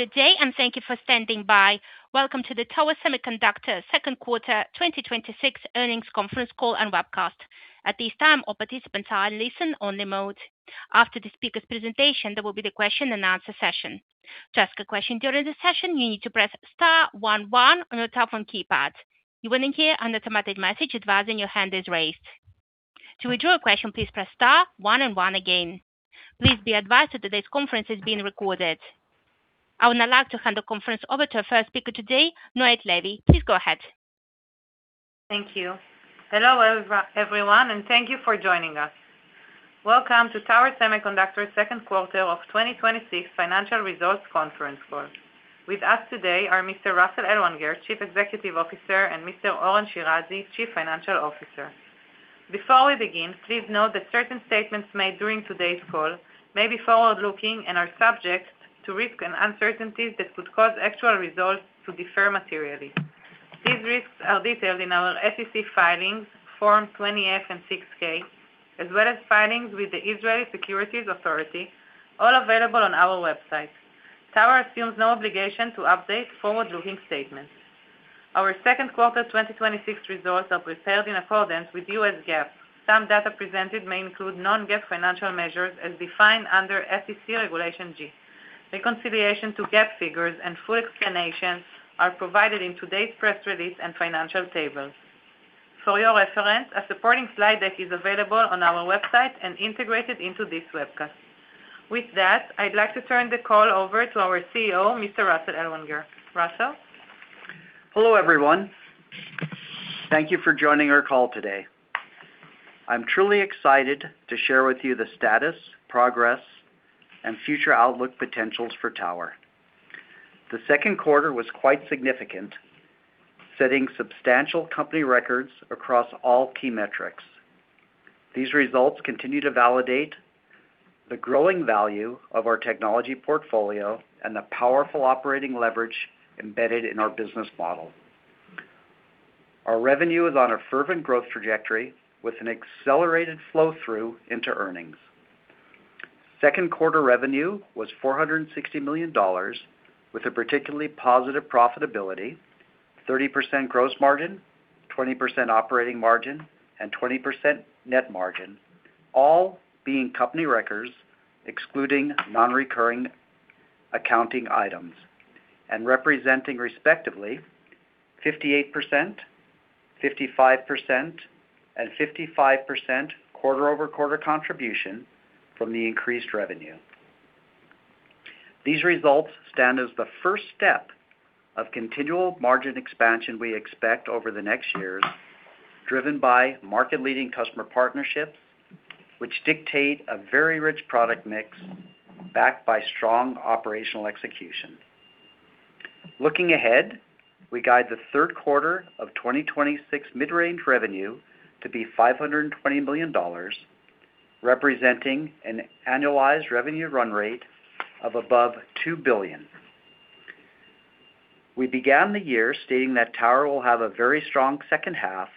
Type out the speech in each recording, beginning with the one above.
Good day. Thank you for standing by. Welcome to the Tower Semiconductor second quarter 2026 earnings conference call and webcast. At this time, all participants are in listen only mode. After the speaker's presentation, there will be the question-and-answer session. To ask a question during the session, you need to press star one one on your telephone keypad. You will hear an automatic message advising your hand is raised. To withdraw your question, please press star one and one again. Please be advised that today's conference is being recorded. I would now like to hand the conference over to our first speaker today, Noit Levi. Please go ahead. Thank you. Hello, everyone. Thank you for joining us. Welcome to Tower Semiconductor second quarter of 2026 financial results conference call. With us today are Mr. Russell Ellwanger, Chief Executive Officer, and Mr. Oren Shirazi, Chief Financial Officer. Before we begin, please note that certain statements made during today's call may be forward-looking and are subject to risks and uncertainties that could cause actual results to differ materially. These risks are detailed in our SEC filings, Form 20-F and 6-K, as well as filings with the Israel Securities Authority, all available on our website. Tower assumes no obligation to update forward-looking statements. Our second quarter 2026 results are prepared in accordance with U.S. GAAP. Some data presented may include non-GAAP financial measures as defined under SEC Regulation G. Reconciliation to GAAP figures and full explanations are provided in today's press release and financial tables. For your reference, a supporting slide deck is available on our website and integrated into this webcast. With that, I'd like to turn the call over to our CEO, Mr. Russell Ellwanger. Russell? Hello, everyone. Thank you for joining our call today. I'm truly excited to share with you the status, progress, and future outlook potentials for Tower. The second quarter was quite significant, setting substantial company records across all key metrics. These results continue to validate the growing value of our technology portfolio and the powerful operating leverage embedded in our business model. Our revenue is on a fervent growth trajectory with an accelerated flow-through into earnings. Second quarter revenue was $460 million, with a particularly positive profitability, 30% gross margin, 20% operating margin, and 20% net margin, all being company records excluding non-recurring accounting items, and representing respectively 58%, 55%, and 55% quarter-over-quarter contribution from the increased revenue. These results stand as the first step of continual margin expansion we expect over the next years, driven by market-leading customer partnerships, which dictate a very rich product mix backed by strong operational execution. Looking ahead, we guide the third quarter of 2026 mid-range revenue to be $520 million, representing an annualized revenue run rate of above $2 billion. We began the year stating that Tower will have a very strong second half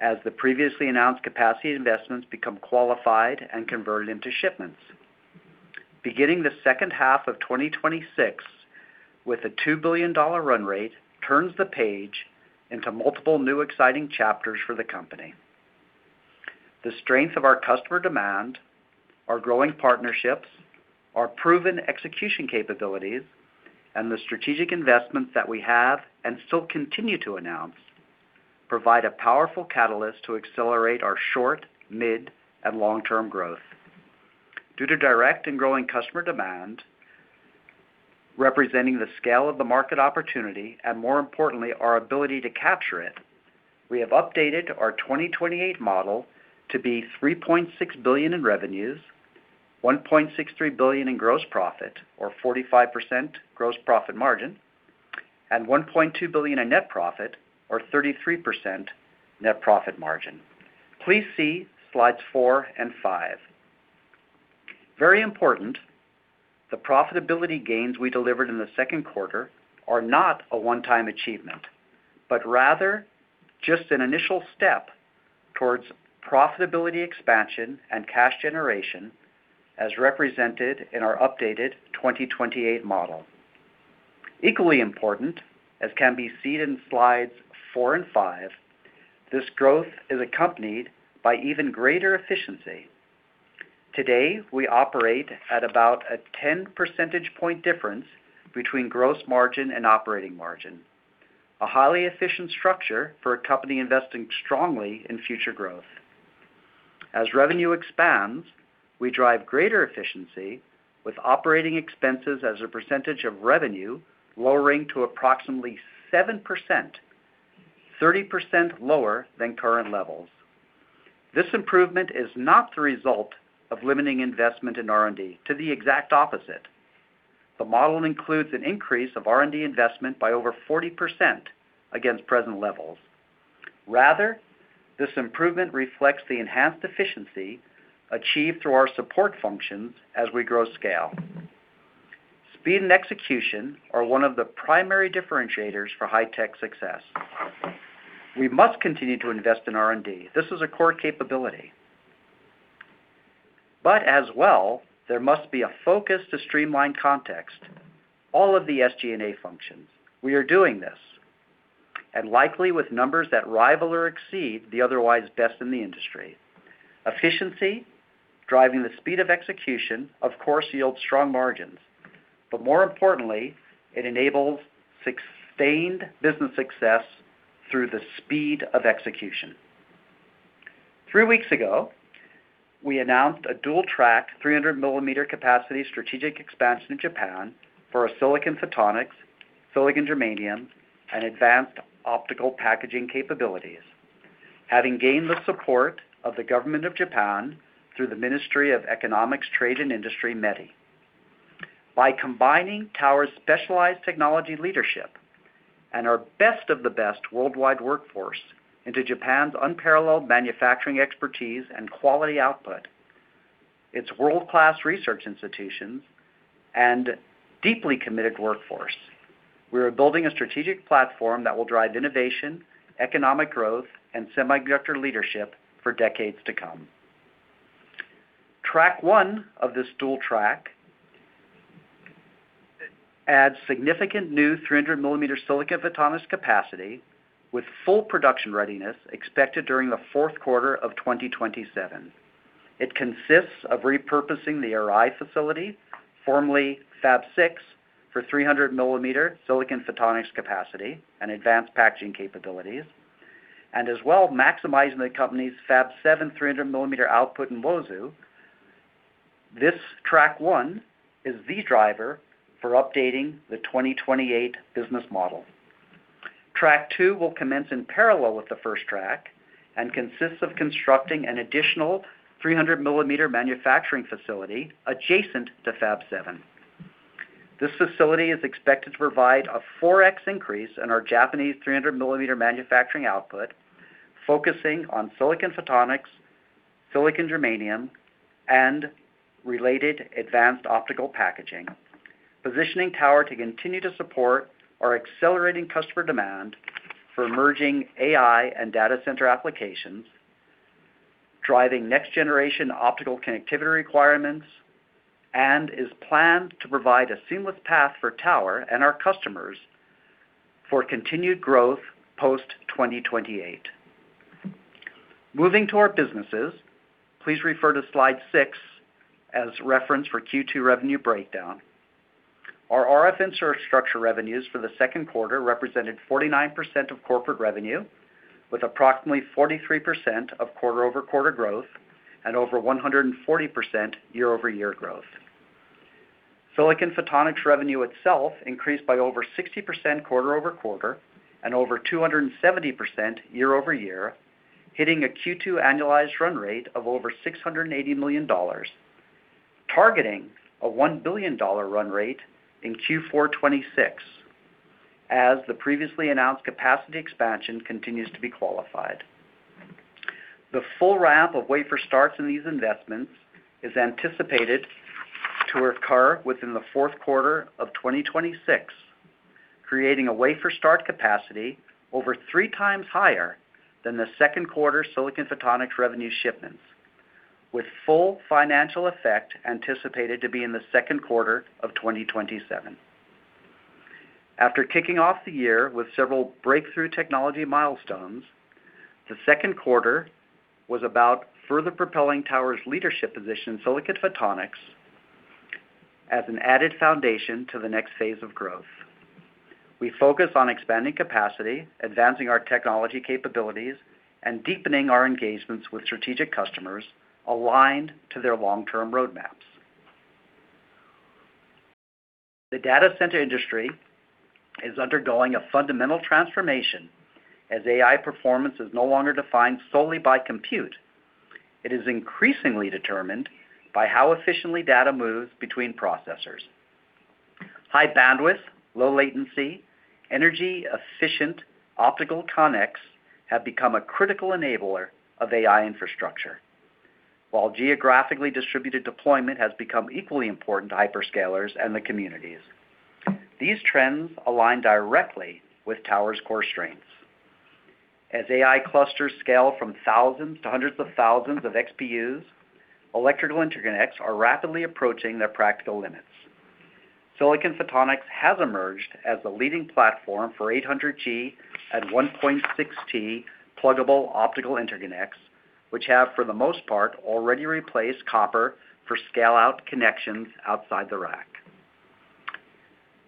as the previously announced capacity investments become qualified and converted into shipments. Beginning the second half of 2026 with a $2 billion run rate turns the page into multiple new exciting chapters for the company. The strength of our customer demand, our growing partnerships, our proven execution capabilities, and the strategic investments that we have and still continue to announce provide a powerful catalyst to accelerate our short, mid, and long-term growth. Due to direct and growing customer demand, representing the scale of the market opportunity, and more importantly, our ability to capture it, we have updated our 2028 model to be $3.6 billion in revenues, $1.63 billion in gross profit, or 45% gross profit margin, and $1.2 billion in net profit, or 33% net profit margin. Please see slides four and five. Very important, the profitability gains we delivered in the second quarter are not a one-time achievement, but rather just an initial step towards profitability expansion and cash generation as represented in our updated 2028 model. Equally important, as can be seen in slides four and five, this growth is accompanied by even greater efficiency. Today, we operate at about a 10 percentage point difference between gross margin and operating margin, a highly efficient structure for a company investing strongly in future growth. As revenue expands, we drive greater efficiency with operating expenses as a percentage of revenue lowering to approximately 7%, 30% lower than current levels. This improvement is not the result of limiting investment in R&D. To the exact opposite. The model includes an increase of R&D investment by over 40% against present levels. Rather, this improvement reflects the enhanced efficiency achieved through our support functions as we grow scale. Speed and execution are one of the primary differentiators for high-tech success. We must continue to invest in R&D. As well, there must be a focus to streamline context, all of the SG&A functions. We are doing this, and likely with numbers that rival or exceed the otherwise best in the industry. Efficiency, driving the speed of execution, of course, yields strong margins, but more importantly, it enables sustained business success through the speed of execution. Three weeks ago, we announced a dual-track 300-millimeter capacity strategic expansion in Japan for our silicon photonics, silicon germanium, and advanced optical packaging capabilities, having gained the support of the government of Japan through the Ministry of Economy Trade and Industry, METI. By combining Tower's specialized technology leadership and our best of the best worldwide workforce into Japan's unparalleled manufacturing expertise and quality output, its world-class research institutions, and deeply committed workforce, we are building a strategic platform that will drive innovation, economic growth, and semiconductor leadership for decades to come. Track 1 of this dual track adds significant new 300-millimeter silicon photonics capacity with full production readiness expected during the fourth quarter of 2027. It consists of repurposing the Arai facility, formerly Fab 6, for 300-millimeter silicon photonics capacity and advanced packaging capabilities, as well, maximizing Tower Semiconductor's Fab 7 300-millimeter output in Uozu. This Track 1 is the driver for updating the 2028 business model. Track 2 will commence in parallel with the first track and consists of constructing an additional 300-millimeter manufacturing facility adjacent to Fab 7. This facility is expected to provide a 4x increase in our Japanese 300-millimeter manufacturing output, focusing on silicon photonics, silicon germanium, and related advanced optical packaging, positioning Tower Semiconductor to continue to support our accelerating customer demand for emerging AI and data center applications, driving next-generation optical connectivity requirements, and is planned to provide a seamless path for Tower Semiconductor and our customers for continued growth post-2028. Moving to our businesses, please refer to slide six as reference for Q2 revenue breakdown. Our RF infrastructure revenues for the second quarter represented 49% of corporate revenue, with approximately 43% of quarter-over-quarter growth and over 140% year-over-year growth. Silicon photonics revenue itself increased by over 60% quarter-over-quarter and over 270% year-over-year, hitting a Q2 annualized run rate of over $680 million, targeting a $1 billion run rate in Q4 2026 as the previously announced capacity expansion continues to be qualified. The full ramp of wafer starts in these investments is anticipated to occur within the fourth quarter of 2026, creating a wafer start capacity over three times higher than the second quarter silicon photonics revenue shipments, with full financial effect anticipated to be in the second quarter of 2027. After kicking off the year with several breakthrough technology milestones, the second quarter was about further propelling Tower Semiconductor's leadership position in silicon photonics as an added foundation to the next phase of growth. We focus on expanding capacity, advancing our technology capabilities, and deepening our engagements with strategic customers aligned to their long-term roadmaps. The data center industry is undergoing a fundamental transformation as AI performance is no longer defined solely by compute. It is increasingly determined by how efficiently data moves between processors. High bandwidth, low latency, energy-efficient optical connects have become a critical enabler of AI infrastructure. While geographically distributed deployment has become equally important to hyperscalers and the communities. These trends align directly with Tower Semiconductor's core strengths. As AI clusters scale from thousands to hundreds of thousands of XPUs, electrical interconnects are rapidly approaching their practical limits. Silicon photonics has emerged as the leading platform for 800G at 1.6T pluggable optical interconnects, which have, for the most part, already replaced copper for scale-out connections outside the rack.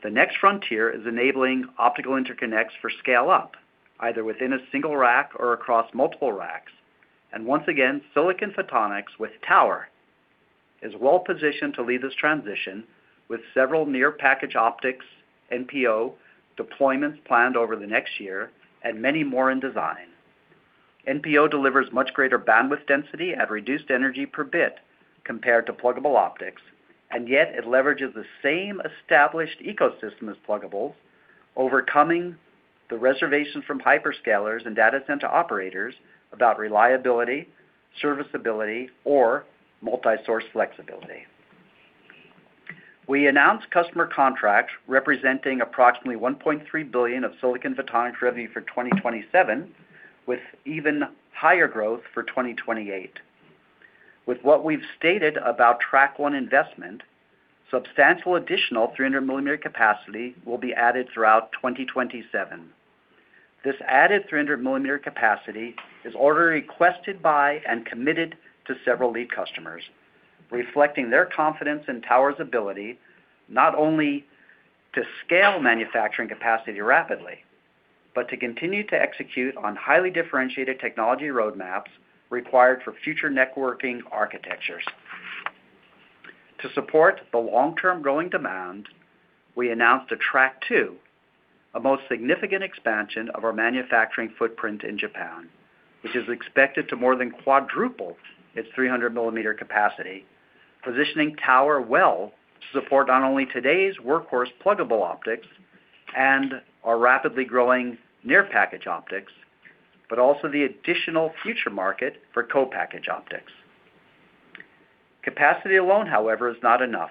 The next frontier is enabling optical interconnects for scale up, either within a single rack or across multiple racks. Once again, silicon photonics with Tower Semiconductor is well positioned to lead this transition with several Near-Packaged Optics, NPO, deployments planned over the next year and many more in design. NPO delivers much greater bandwidth density at reduced energy per bit compared to pluggable optics, and yet it leverages the same established ecosystem as pluggables, overcoming the reservations from hyperscalers and data center operators about reliability, serviceability, or multi-source flexibility. We announced customer contracts representing approximately $1.3 billion of silicon photonics revenue for 2027, with even higher growth for 2028. With what we've stated about Track 1 investment, substantial additional 300-millimeter capacity will be added throughout 2027. This added 300-millimeter capacity is already requested by and committed to several lead customers, reflecting their confidence in Tower's ability not only to scale manufacturing capacity rapidly, but to continue to execute on highly differentiated technology roadmaps required for future networking architectures. To support the long-term growing demand, we announced a Track 2, a most significant expansion of our manufacturing footprint in Japan, which is expected to more than quadruple its 300-millimeter capacity, positioning Tower well to support not only today's workhorse pluggable optics and our rapidly growing Near-Packaged Optics, but also the additional future market for co-package optics. Capacity alone, however, is not enough.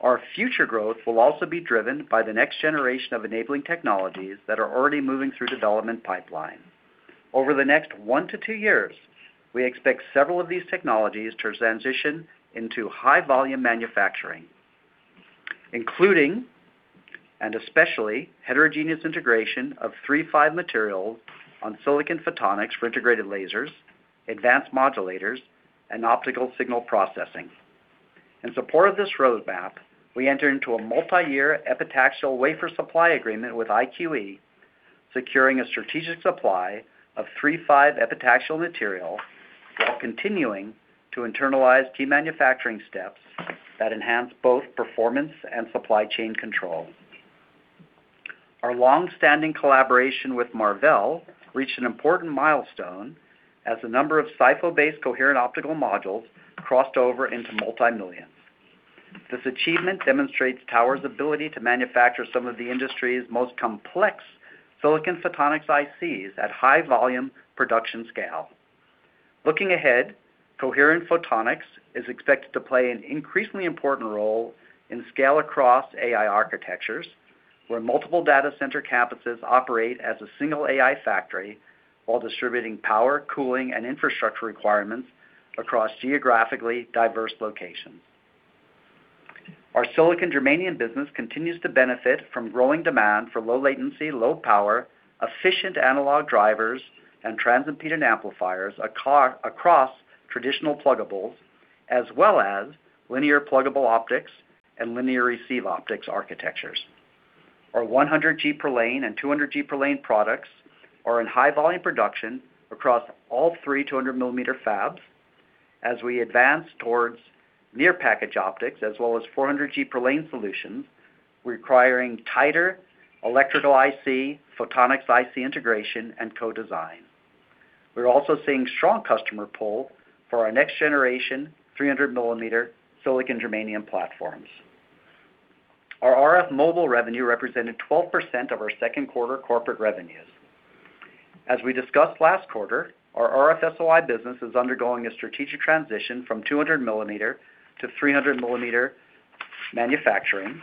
Our future growth will also be driven by the next generation of enabling technologies that are already moving through development pipeline. Over the next one to two years, we expect several of these technologies to transition into high volume manufacturing, including and especially heterogeneous integration of III-V materials on silicon photonics for integrated lasers, advanced modulators, and optical signal processing. In support of this roadmap, we enter into a multi-year epitaxial wafer supply agreement with IQE, securing a strategic supply of III-V epitaxial material, while continuing to internalize key manufacturing steps that enhance both performance and supply chain control. Our long-standing collaboration with Marvell reached an important milestone as the number of SiPho-based coherent optical modules crossed over into multi-million. This achievement demonstrates Tower's ability to manufacture some of the industry's most complex silicon photonics ICs at high volume production scale. Looking ahead, coherent photonics is expected to play an increasingly important role in scale across AI architectures, where multiple data center campuses operate as a single AI factory while distributing power, cooling, and infrastructure requirements across geographically diverse locations. Our silicon germanium business continues to benefit from growing demand for low latency, low power, efficient analog drivers, and transimpedance amplifiers across traditional pluggables, as well as linear pluggable optics and linear receive optics architectures. Our 100G per lane and 200G per lane products are in high volume production across all three 200-millimeter fabs as we advance towards Near-Packaged Optics as well as 400G per lane solutions requiring tighter electrical IC, photonics IC integration, and co-design. We're also seeing strong customer pull for our next generation 300 millimeter silicon germanium platforms. Our RF mobile revenue represented 12% of our second quarter corporate revenues. As we discussed last quarter, our RF SOI business is undergoing a strategic transition from 200-millimeter to 300-millimeter manufacturing,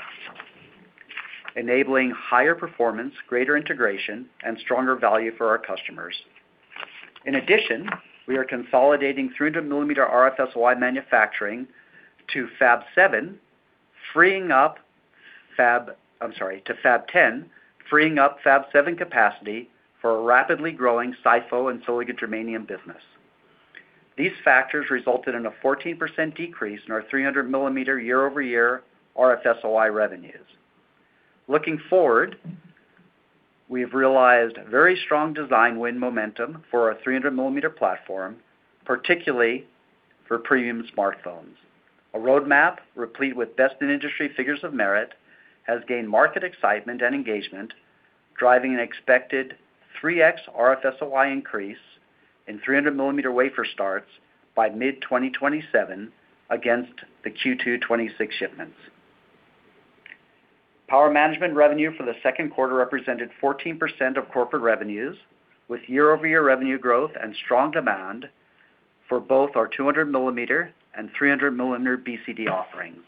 enabling higher performance, greater integration, and stronger value for our customers. In addition, we are consolidating 300-millimeter RF SOI manufacturing to Fab 7, freeing up Fab 10, freeing up Fab 7 capacity for a rapidly growing SiPho and silicon germanium business. These factors resulted in a 14% decrease in our 300-millimeter year-over-year RF SOI revenues. Looking forward, we have realized very strong design win momentum for our 300-millimeter platform, particularly for premium smartphones. A roadmap replete with best-in-industry figures of merit has gained market excitement and engagement, driving an expected 3x RF SOI increase in 300-millimeter wafer starts by mid-2027 against the Q2 2026 shipments. Power management revenue for the second quarter represented 14% of corporate revenues, with year-over-year revenue growth and strong demand for both our 200 millimeter and 300-millimeter BCD offerings.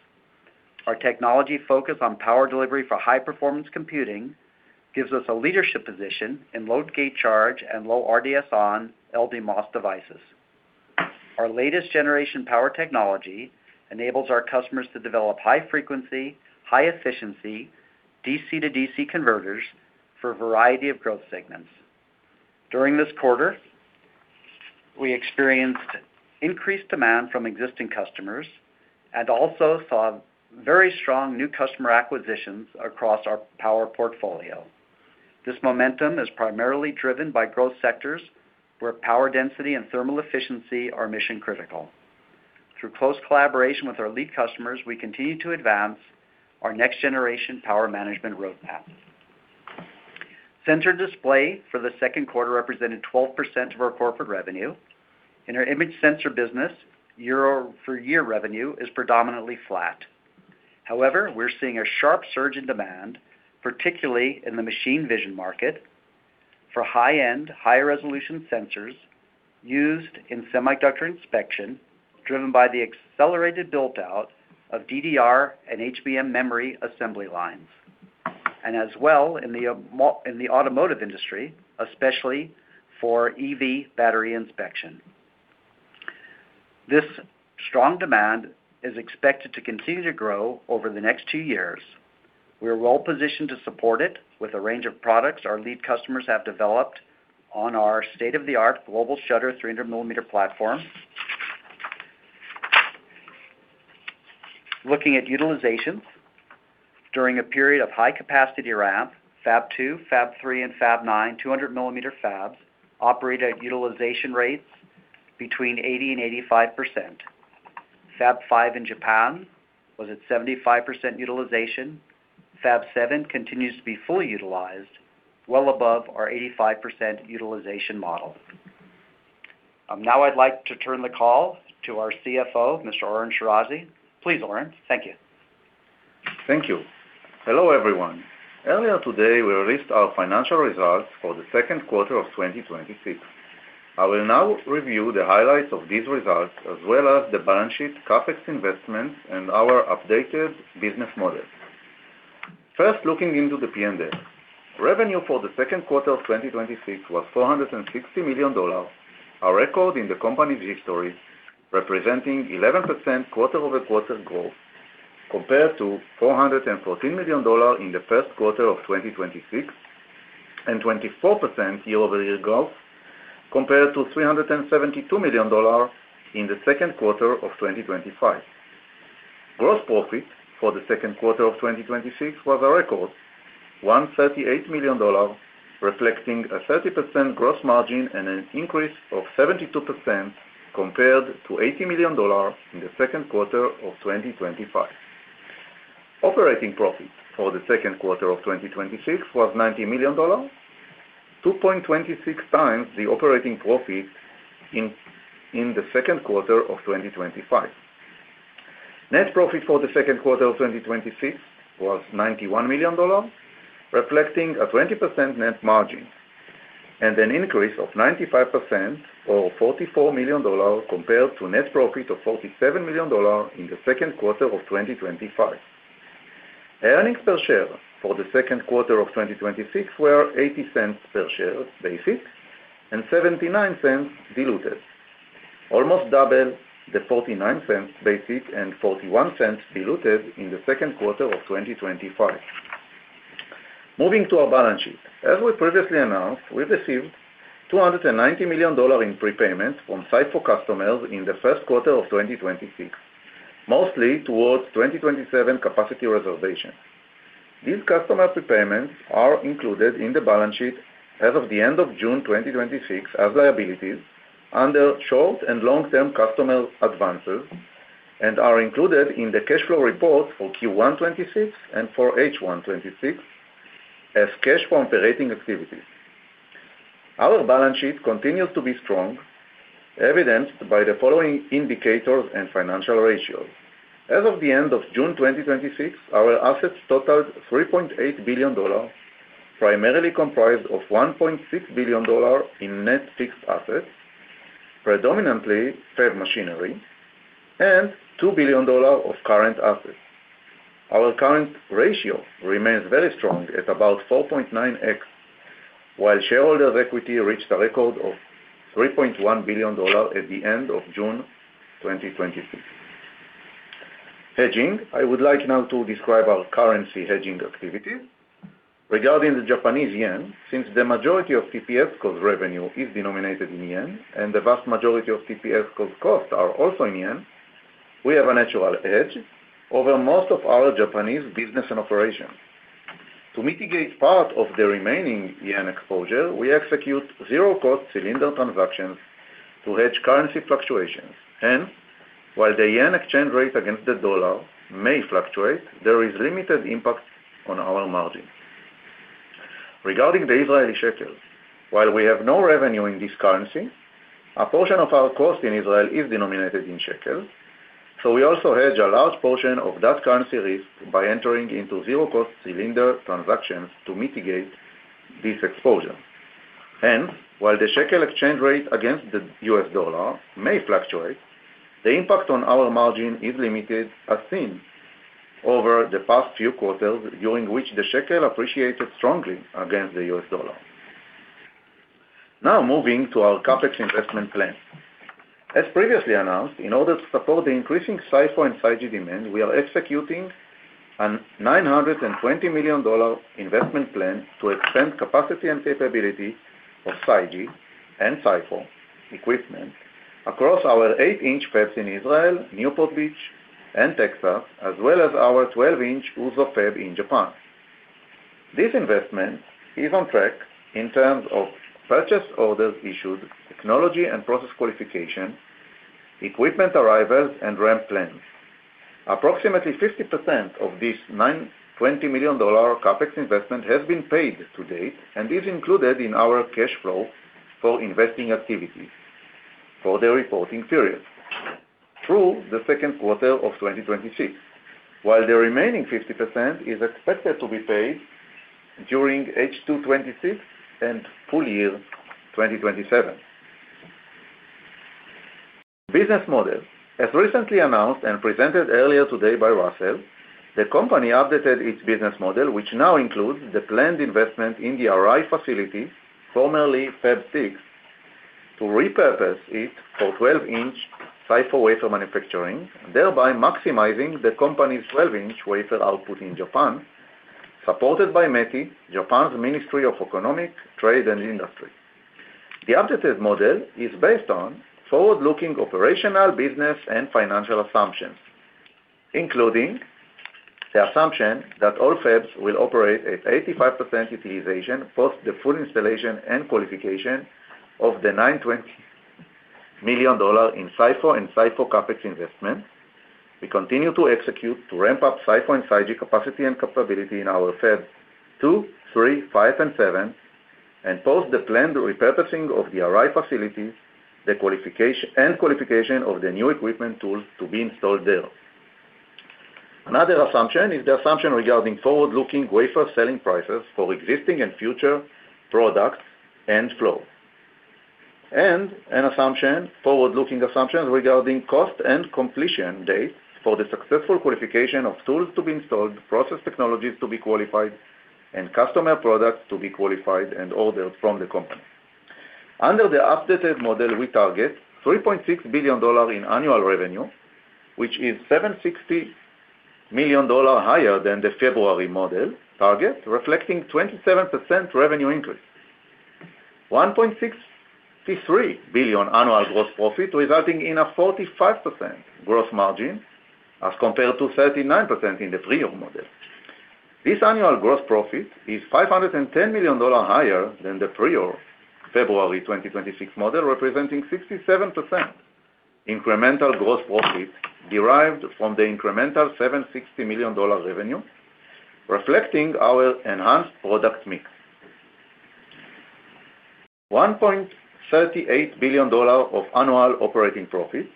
Our technology focus on power delivery for high-performance computing gives us a leadership position in low gate charge and low RDSON LDMOS devices. Our latest generation power technology enables our customers to develop high frequency, high efficiency DC-to-DC converters for a variety of growth segments. During this quarter, we experienced increased demand from existing customers and also saw very strong new customer acquisitions across our power portfolio. This momentum is primarily driven by growth sectors where power density and thermal efficiency are mission critical. Through close collaboration with our lead customers, we continue to advance our next generation power management roadmap. Sensor display for the second quarter represented 12% of our corporate revenue. In our image sensor business, year-over-year revenue is predominantly flat. However, we're seeing a sharp surge in demand, particularly in the machine vision market for high-end, high-resolution sensors used in semiconductor inspection, driven by the accelerated build-out of DDR and HBM memory assembly lines, and as well in the automotive industry, especially for EV battery inspection. This strong demand is expected to continue to grow over the next two years. We are well-positioned to support it with a range of products our lead customers have developed on our state-of-the-art global shutter 300-millimeter platform. Looking at utilizations. During a period of high-capacity ramp, Fab 2, Fab 3 and Fab 9, 200-millimeter fabs operate at utilization rates between 80% and 85%. Fab 5 in Japan was at 75% utilization. Fab 7 continues to be fully utilized, well above our 85% utilization model. I'd like to turn the call to our CFO, Mr. Oren Shirazi. Please, Oren. Thank you. Thank you. Hello, everyone. Earlier today, we released our financial results for the second quarter of 2026. I will now review the highlights of these results, as well as the balance sheet, CapEx investments, and our updated business models. First, looking into the P&L. Revenue for the second quarter of 2026 was $460 million, a record in the company's history, representing 11% quarter-over-quarter growth, compared to $414 million in the first quarter of 2026, and 24% year-over-year growth, compared to $372 million in the second quarter of 2025. Gross profit for the second quarter of 2026 was a record, $138 million, reflecting a 30% gross margin and an increase of 72% compared to $80 million in the second quarter of 2025. Operating profit for the second quarter of 2026 was $90 million, 2.26 times the operating profit in the second quarter of 2025. Net profit for the second quarter of 2026 was $91 million, reflecting a 20% net margin, and an increase of 95%, or $44 million, compared to net profit of $47 million in the second quarter of 2025. Earnings per share for the second quarter of 2026 were $0.80 per share basic, and $0.79 diluted, almost double the $0.49 basic and $0.41 diluted in the second quarter of 2025. Moving to our balance sheet. As we previously announced, we received $290 million in prepayments from SiPho customers in the first quarter of 2026, mostly towards 2027 capacity reservations. These customer prepayments are included in the balance sheet as of the end of June 2026 as liabilities under short- and long-term customer advances, and are included in the cash flow report for Q1 2026 and for H1 2026 as cash from operating activities. Our balance sheet continues to be strong, evidenced by the following indicators and financial ratios. As of the end of June 2026, our assets totaled $3.8 billion, primarily comprised of $1.6 billion in net fixed assets, predominantly fab machinery, and $2 billion of current assets. Our current ratio remains very strong at about 4.9x, while shareholders' equity reached a record of $3.1 billion at the end of June 2026. Hedging. I would like now to describe our currency hedging activities. Regarding the Japanese yen, since the majority of TPSCo's revenue is denominated in yen, and the vast majority of TPSCo's costs are also in yen, we have a natural hedge over most of our Japanese business and operations. To mitigate part of the remaining yen exposure, we execute zero-cost cylinder transactions to hedge currency fluctuations. While the yen exchange rate against the US dollar may fluctuate, there is limited impact on our margin. Regarding the Israeli shekel. While we have no revenue in this currency, a portion of our cost in Israel is denominated in shekel, so we also hedge a large portion of that currency risk by entering into zero-cost cylinder transactions to mitigate this exposure. While the shekel exchange rate against the U.S. dollar may fluctuate, the impact on our margin is limited, as seen over the past few quarters, during which the shekel appreciated strongly against the U.S. dollar. Moving to our CapEx investment plan. As previously announced, in order to support the increasing SiPho and SiGe demand, we are executing a $920 million investment plan to extend capacity and capability of SiGe and SiPho equipment across our eight-inch fabs in Israel, Newport Beach, and Texas, as well as our 12-inch Uozu fab in Japan. This investment is on track in terms of purchase orders issued, technology and process qualification, equipment arrivals, and ramp plans. Approximately 50% of this $920 million CapEx investment has been paid to date through the second quarter of 2026 and is included in our cash flow for investing activities for the reporting period, while the remaining 50% is expected to be paid during H2 2026 and full year 2027. Business model. As recently announced and presented earlier today by Russell, the company updated its business model, which now includes the planned investment in the Arai facilities, formerly Fab 6, to repurpose it for 12-inch SiPho wafer manufacturing, thereby maximizing the company's 12-inch wafer output in Japan, supported by METI, Japan's Ministry of Economics, Trade and Industry. The updated model is based on forward-looking operational business and financial assumptions, including the assumption that all fabs will operate at 85% utilization post the full installation and qualification of the $920 million in SiPho and SiPho CapEx investments. We continue to execute to ramp up SiPho and SiGe capacity and capability in our Fabs 2, 3, 5, and 7, and post the planned repurposing of the Arai facilities and qualification of the new equipment tools to be installed there. Another assumption is the assumption regarding forward-looking wafer selling prices for existing and future products and flow. Forward-looking assumptions regarding cost and completion dates for the successful qualification of tools to be installed, process technologies to be qualified, and customer products to be qualified and ordered from the company. Under the updated model, we target $3.6 billion in annual revenue, which is $760 million higher than the February model target, reflecting 27% revenue increase. $1.63 billion annual gross profit, resulting in a 45% gross margin as compared to 39% in the prior model. This annual gross profit is $510 million higher than the prior February 2026 model, representing 67% incremental gross profit derived from the incremental $760 million revenue, reflecting our enhanced product mix. $1.38 billion of annual operating profit,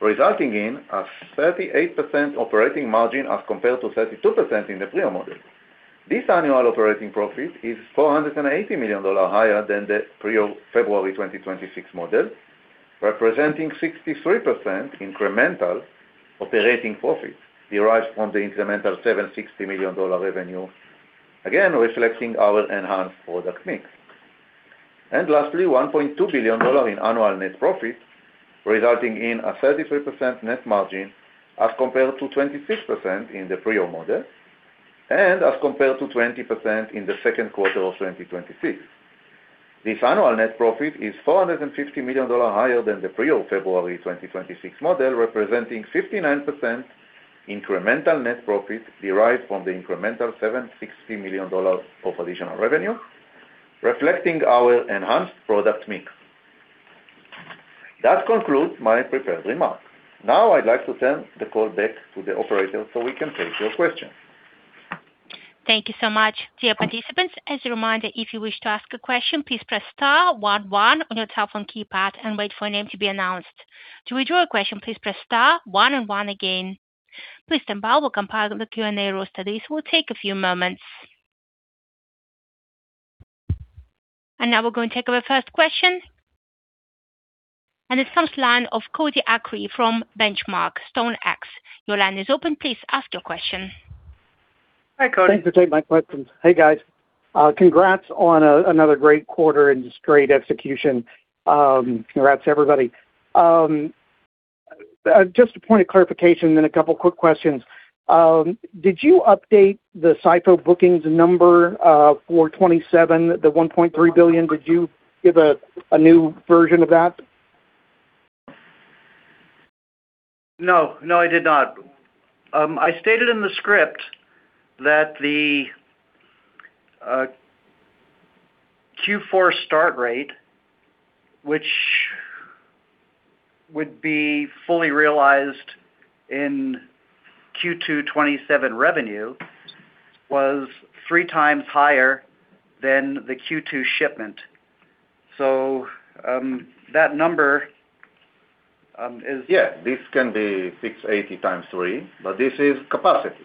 resulting in a 38% operating margin as compared to 32% in the prior model. This annual operating profit is $480 million higher than the prior February 2026 model, representing 63% incremental operating profit derived from the incremental $760 million revenue, again reflecting our enhanced product mix. Lastly, $1.2 billion in annual net profit, resulting in a 33% net margin as compared to 26% in the prior model, and as compared to 20% in the second quarter of 2026. This annual net profit is $450 million higher than the prior February 2026 model, representing 59% incremental net profit derived from the incremental $760 million of additional revenue, reflecting our enhanced product mix. That concludes my prepared remarks. Now I'd like to turn the call back to the operator so we can take your questions. Thank you so much. Dear participants, as a reminder, if you wish to ask a question, please press star one one on your telephone keypad and wait for a name to be announced. To withdraw a question, please press star one and one again. Please stand by while we compile the Q&A roster. This will take a few moments. Now we're going to take our first question. It's from the line of Cody Acree from Benchmark StoneX. Your line is open. Please ask your question. Hi, Cody. Thanks for taking my questions. Hey, guys. Congrats on another great quarter and just great execution. Congrats, everybody. Just a point of clarification. A couple quick questions. Did you update the SiPho bookings number for 2027, the $1.3 billion? Did you give a new version of that? No, I did not. I stated in the script that the Q4 start rate, which would be fully realized in Q2 2027 revenue, was three times higher than the Q2 shipment. This can be 680 x 3. This is capacity.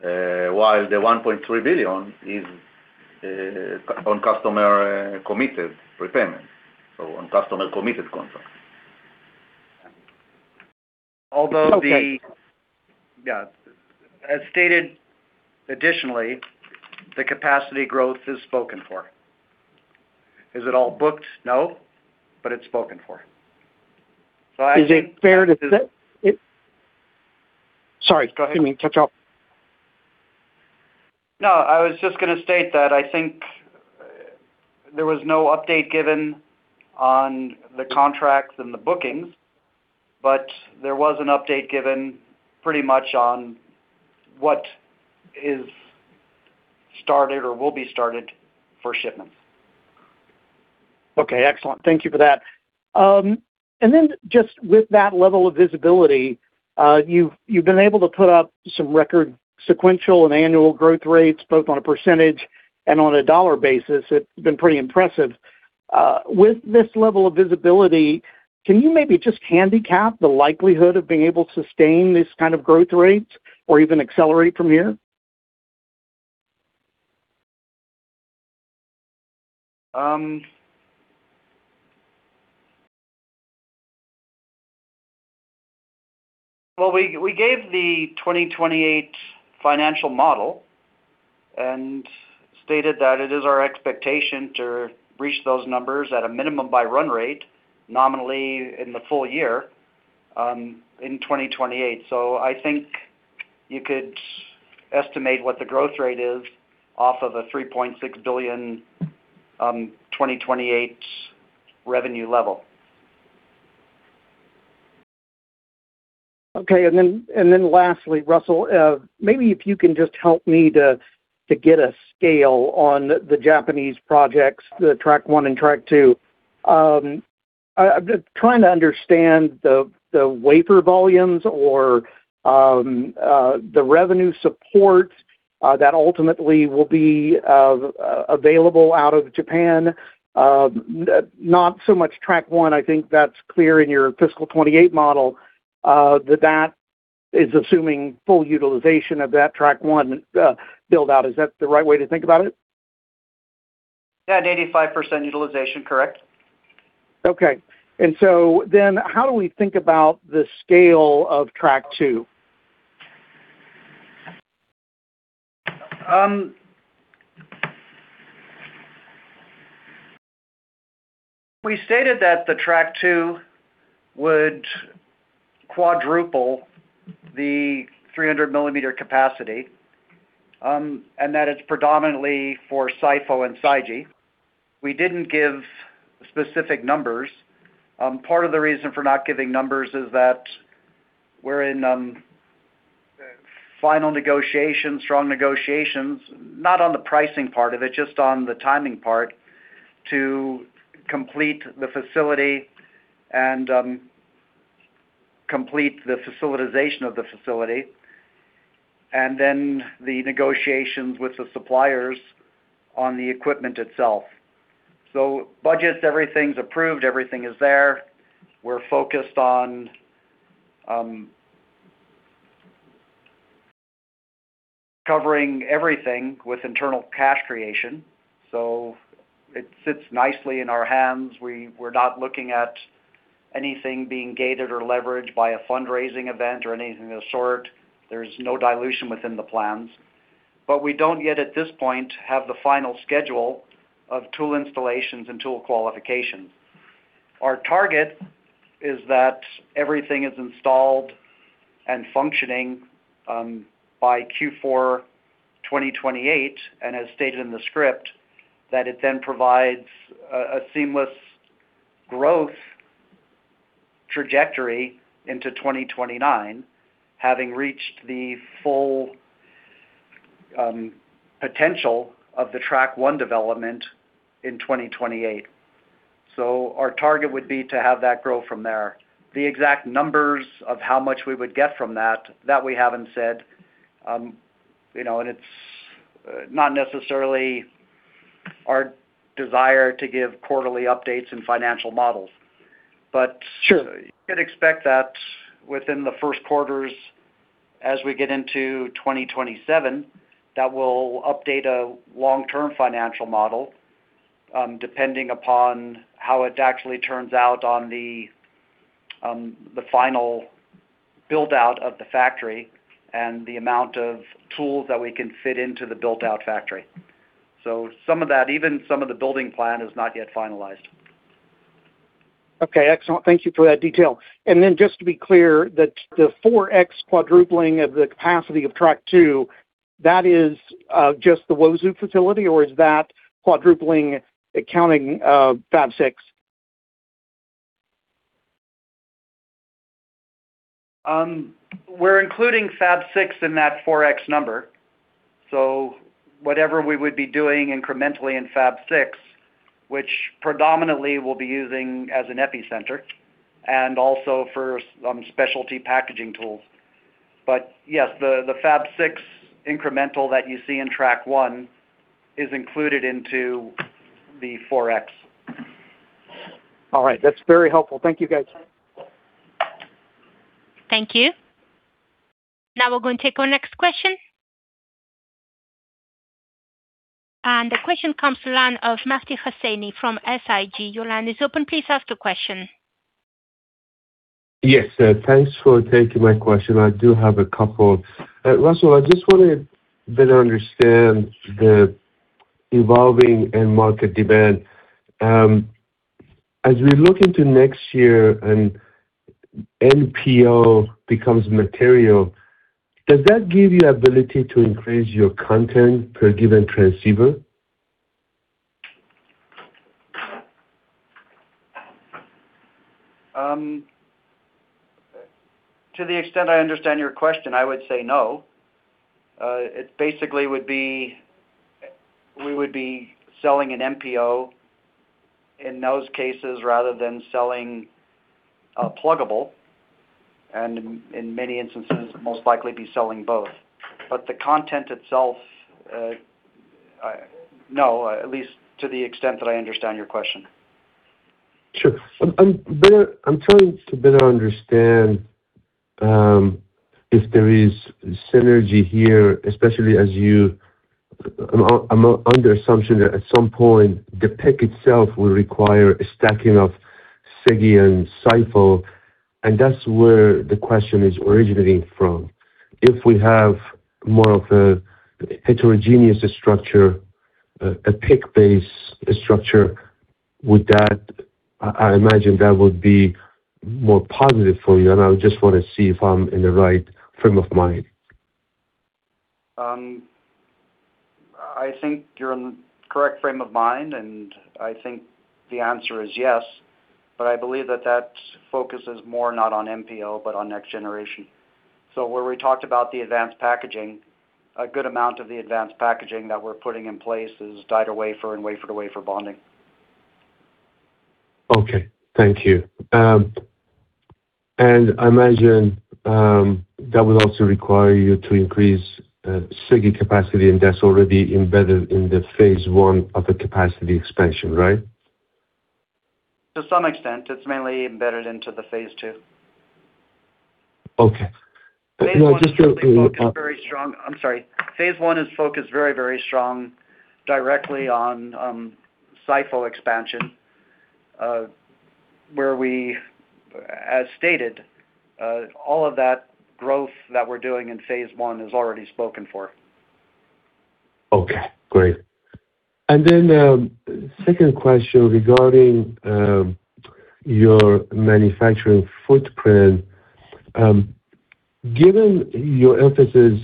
While the $1.3 billion is on customer committed prepayment, on customer committed contracts. Although the. Okay. Yeah. As stated additionally, the capacity growth is spoken for. Is it all booked? No, but it's spoken for. I think. Is it fair to say it. Sorry. Go ahead. Excuse me. I was just going to state that I think there was no update given on the contracts and the bookings, but there was an update given pretty much on what is started or will be started for shipments. Okay. Excellent. Thank you for that. Just with that level of visibility you've been able to put up some record sequential and annual growth rates, both on a percentage and on a dollar basis. It's been pretty impressive. With this level of visibility, can you maybe just handicap the likelihood of being able to sustain this kind of growth rate or even accelerate from here? Well, we gave the 2028 financial model and stated that it is our expectation to reach those numbers at a minimum by run rate, nominally in the full year, in 2028. I think you could estimate what the growth rate is off of a $3.6 billion 2028 revenue level. Lastly, Russell, maybe if you can just help me to get a scale on the Japanese projects, the Track 1 and Track 2. I'm just trying to understand the wafer volumes or the revenue support that ultimately will be available out of Japan. Not so much Track 1, I think that's clear in your fiscal 2028 model, that that is assuming full utilization of that Track 1 build-out. Is that the right way to think about it? At 85% utilization, correct. How do we think about the scale of Track 2? We stated that the Track 2 would quadruple the 300-millimeter capacity, and that it's predominantly for SiPho and SiGe. We didn't give specific numbers. Part of the reason for not giving numbers is that we're in final negotiations, strong negotiations, not on the pricing part of it, just on the timing part to complete the facility and complete the facilitization of the facility, and then the negotiations with the suppliers on the equipment itself. Budgets, everything's approved, everything is there. We're focused on covering everything with internal cash creation, so it sits nicely in our hands. We're not looking at anything being gated or leveraged by a fundraising event or anything of the sort. There's no dilution within the plans. We don't yet at this point have the final schedule of tool installations and tool qualifications. Our target is that everything is installed and functioning by Q4 2028, as stated in the script, that it then provides a seamless growth trajectory into 2029, having reached the full potential of the track one development in 2028. Our target would be to have that grow from there. The exact numbers of how much we would get from that we haven't said. It's not necessarily our desire to give quarterly updates and financial models. Sure. You could expect that within the first quarters as we get into 2027, that we'll update a long-term financial model, depending upon how it actually turns out on the final build-out of the factory and the amount of tools that we can fit into the built-out factory. Some of that, even some of the building plan is not yet finalized. Okay, excellent. Thank you for that detail. Just to be clear, that the 4x quadrupling of the capacity of track two, that is just the Uozu facility, or is that quadrupling accounting Fab 6? We're including Fab 6 in that 4x number. Whatever we would be doing incrementally in Fab 6, which predominantly we'll be using as an epicenter and also for some specialty packaging tools. Yes, the Fab 6 incremental that you see in track one is included into the 4x. All right. That's very helpful. Thank you, guys. Thank you. Now we're going to take our next question. The question comes to the line of Mehdi Hosseini from SIG. Your line is open. Please ask the question Yes. Thanks for taking my question. I do have a couple. Russell, I just want to better understand the evolving end market demand. As we look into next year and NPO becomes material, does that give you ability to increase your content per given transceiver? To the extent I understand your question, I would say no. It basically would be We would be selling an NPO in those cases rather than selling a plugable, and in many instances, most likely be selling both. The content itself, no, at least to the extent that I understand your question. Sure. I'm trying to better understand if there is synergy here, especially I'm under assumption that at some point, the PIC itself will require a stacking of SiGe and SiPho, and that's where the question is originating from. If we have more of a heterogeneous structure, PIC-based structure, I imagine that would be more positive for you, and I just want to see if I'm in the right frame of mind. I think you're in the correct frame of mind, I think the answer is yes. I believe that focus is more not on NPO, but on next generation. Where we talked about the advanced packaging, a good amount of the advanced packaging that we're putting in place is die-to-wafer and wafer-to-wafer bonding. Okay. Thank you. I imagine that will also require you to increase SiGe capacity, and that's already embedded in the phase I of the capacity expansion, right? To some extent. It's mainly embedded into the phase II. Okay. No, just real quick. Phase I is focused very strong. I'm sorry. Phase I is focused very strong directly on SiPho expansion, where we, as stated, all of that growth that we're doing in phase I is already spoken for. Okay, great. Then, second question regarding your manufacturing footprint. Given your emphasis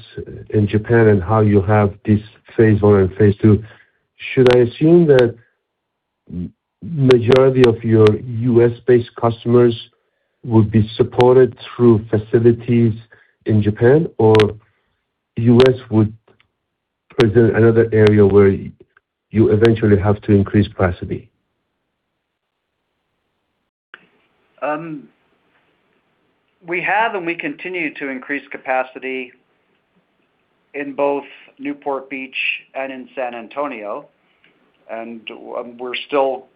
in Japan and how you have this phase I and phase II, should I assume that majority of your U.S.-based customers would be supported through facilities in Japan, or U.S. would present another area where you eventually have to increase capacity? We have, we continue to increase capacity in both Newport Beach and in San Antonio, we're still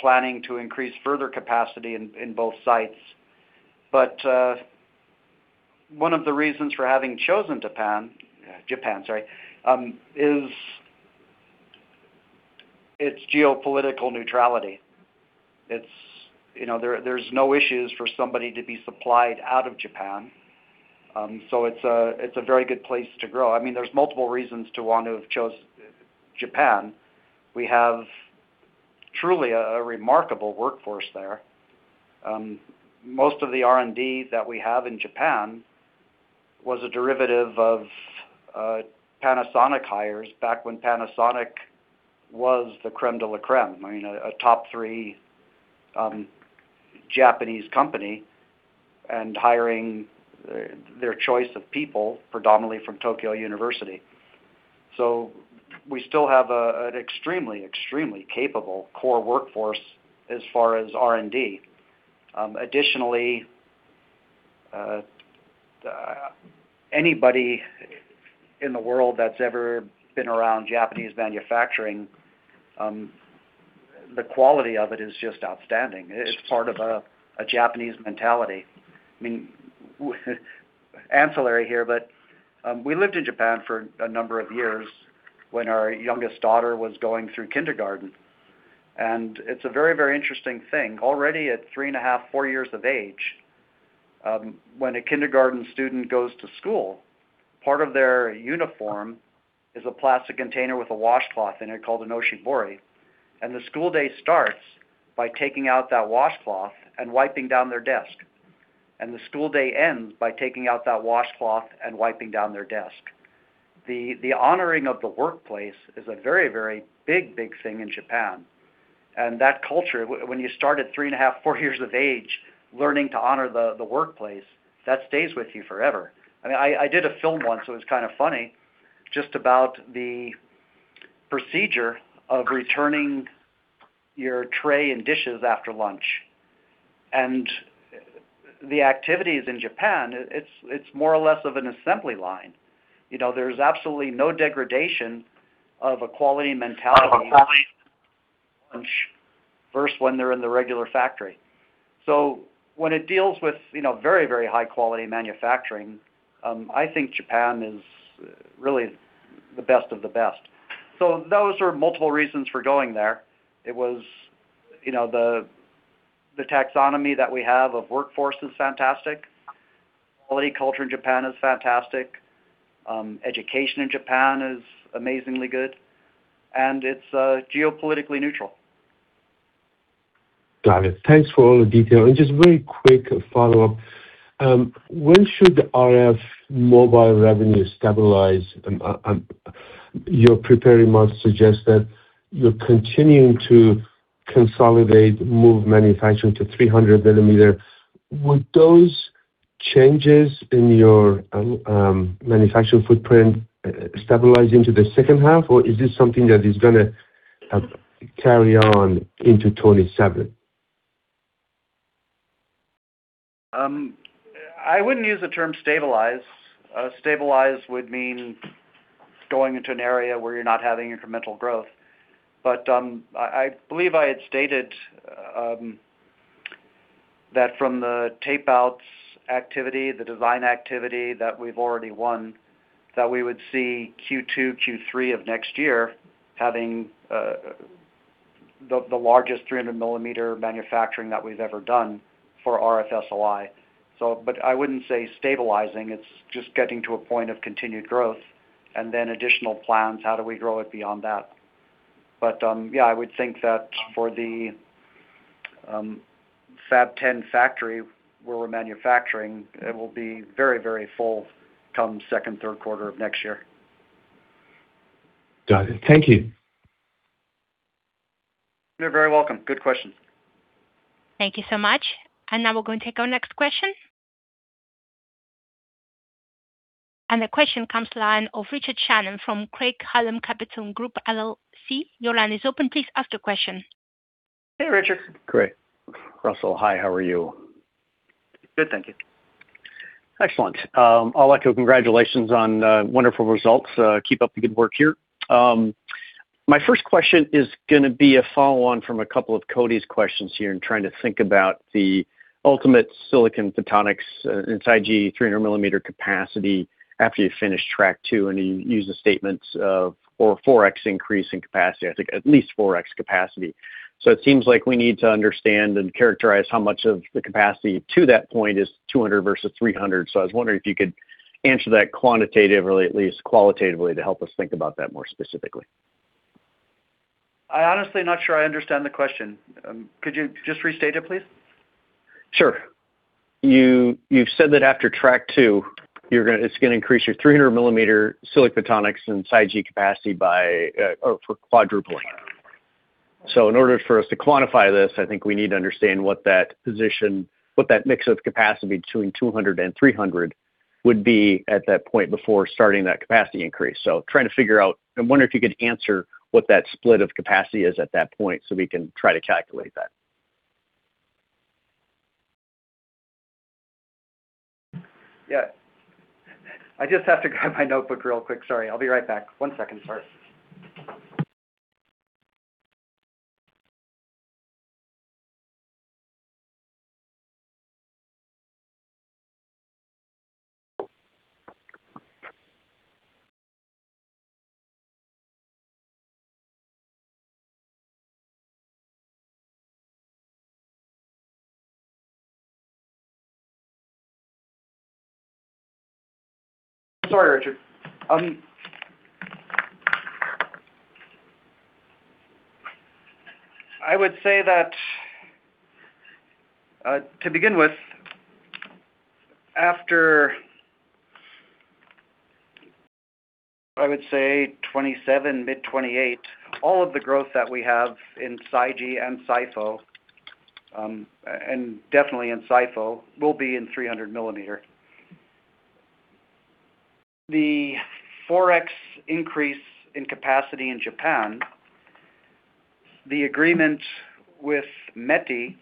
planning to increase further capacity in both sites. One of the reasons for having chosen Japan is its geopolitical neutrality. There's no issues for somebody to be supplied out of Japan. It's a very good place to grow. There's multiple reasons to want to have chosen Japan. We have truly a remarkable workforce there. Most of the R&D that we have in Japan was a derivative of Panasonic hires back when Panasonic was the crème de la crème, a top three Japanese company, and hiring their choice of people, predominantly from Tokyo University. We still have an extremely capable core workforce as far as R&D. Additionally, anybody in the world that's ever been around Japanese manufacturing, the quality of it is just outstanding. It's part of a Japanese mentality. Ancillary here, but we lived in Japan for a number of years when our youngest daughter was going through kindergarten, and it's a very interesting thing. Already at three and a half, four years of age, when a kindergarten student goes to school, part of their uniform is a plastic container with a washcloth in it called an oshibori, and the school day starts by taking out that washcloth and wiping down their desk, and the school day ends by taking out that washcloth and wiping down their desk. The honoring of the workplace is a very big thing in Japan. That culture, when you start at three and a half, four years of age, learning to honor the workplace, that stays with you forever. I did a film once, so it's kind of funny, just about the procedure of returning your tray and dishes after lunch. The activities in Japan, it's more or less of an assembly line. There's absolutely no degradation of a quality mentality lunch, first when they're in the regular factory. When it deals with very high quality manufacturing, I think Japan is really the best of the best. Those are multiple reasons for going there. It was the taxonomy that we have of workforce is fantastic. Quality culture in Japan is fantastic. Education in Japan is amazingly good, and it's geopolitically neutral. Got it. Thanks for all the detail. Just very quick follow-up. When should RF mobile revenue stabilize? Your preparing month suggests that you're continuing to consolidate move manufacturing to 300-millimeter. Would those changes in your manufacturing footprint stabilizing to the second half or is this something that is going to carry on into 2027? I wouldn't use the term stabilize. Stabilize would mean going into an area where you're not having incremental growth. I believe I had stated that from the tape-outs activity, the design activity that we've already won, that we would see Q2, Q3 of next year having the largest 300-millimeter manufacturing that we've ever done for RF SOI. I wouldn't say stabilizing. It's just getting to a point of continued growth, then additional plans, how do we grow it beyond that. Yeah, I would think that for the Fab 10 factory where we're manufacturing, it will be very full come second, third quarter of next year. Got it. Thank you. You're very welcome. Good question. Thank you so much. Now we're going to take our next question. The question comes line of Richard Shannon from Craig-Hallum Capital Group LLC. Your line is open. Please ask your question. Hey, Richard. Great. Russell, hi. How are you? Good, thank you. Excellent. I'd like to congratulations on wonderful results. Keep up the good work here. My first question is going to be a follow-on from a couple of Cody's questions here trying to think about the ultimate silicon photonics in SiGe 300-millimeter capacity after you finish Track 2, you used the statements of or 4x increase in capacity, I think at least 4x capacity. It seems like we need to understand and characterize how much of the capacity to that point is 200 versus 300. I was wondering if you could answer that quantitatively or at least qualitatively to help us think about that more specifically. I honestly not sure I understand the question. Could you just restate it, please? Sure. You've said that after Track 2, it's going to increase your 300 millimeter silicon photonics and SiGe capacity for quadrupling. In order for us to quantify this, I think we need to understand what that mix of capacity between 200 and 300 would be at that point before starting that capacity increase. Trying to figure out, I wonder if you could answer what that split of capacity is at that point so we can try to calculate that. Yeah. I just have to grab my notebook real quick. Sorry. I'll be right back. One second. Sorry. Sorry, Richard. I would say that to begin with, after, I would say 2027, mid 2028, all of the growth that we have in SiGe and SiPho, and definitely in SiPho, will be in 300-millimeter. The 4x increase in capacity in Japan, the agreement with METI